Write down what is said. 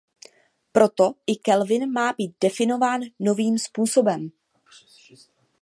Proto i kelvin má být definován novým způsobem.